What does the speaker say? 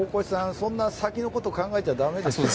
そんな先のこと考えちゃだめですよ。